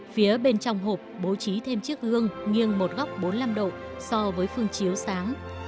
phía bên trong hộp bố trí thêm chiếc gương nghiêng một góc bốn mươi năm độ so với phương chiếu sáng